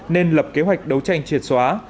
nên lập kế hoạch đấu tranh triệt xóa